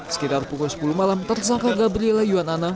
sekitar pukul sepuluh malam tersangka gabriela yuanana